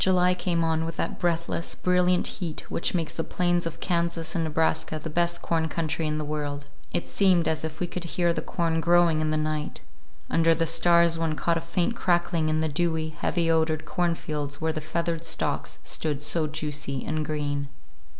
XIX JULY came on with that breathless, brilliant heat which makes the plains of Kansas and Nebraska the best corn country in the world. It seemed as if we could hear the corn growing in the night; under the stars one caught a faint crackling in the dewy, heavy odored cornfields where the feathered stalks stood so juicy and green.